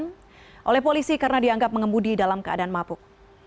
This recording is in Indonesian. ditahan oleh polisi karena dianggap mengemudi dalam keadaan mabuk